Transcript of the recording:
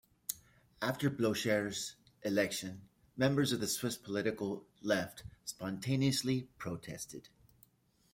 After Blocher's election, members of the Swiss political Left spontaneously protested.